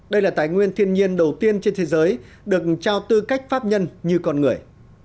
đây là tài nguyên thiên nhiên đầu tiên trên thế giới được trao tư cách pháp nhân như con người